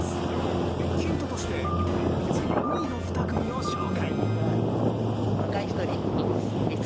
ヒントとして同率４位の２組を紹介。